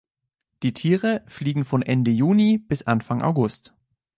Die Tiere fliegen von Ende Juni bis Anfang August.